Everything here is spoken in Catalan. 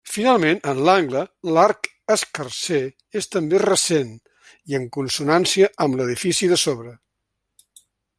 Finalment, en l'angle, l'arc escarser és també recent i en consonància amb l'edifici de sobre.